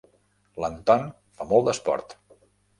L'Anton fa molt d'esport.